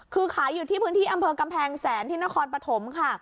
คือขายอยู่ที่พื้นที่อำเภอกำแพงแสนที่นครปฐมค่ะ